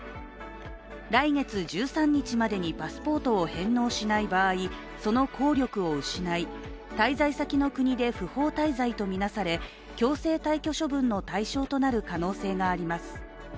来月１３日までにパスポートを返納しない場合、その効力を失い滞在先の国で不法滞在とみなされ強制退去処分の対象となる可能性があります。